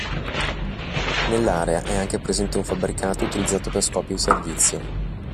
Nell'area è anche presente un fabbricato utilizzato per scopi di servizio.